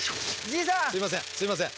すいませんすいません。